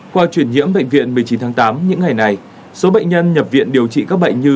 qua chuyển nhiễm bệnh viện một mươi chín tháng tám những ngày này số bệnh nhân nhập viện điều trị các bệnh như